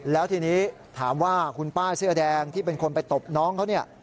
แล้วทีนี้ถามว่าคุณป้าเสื้อแดงที่เป็นคนไปตบน้องเขาเนี่ย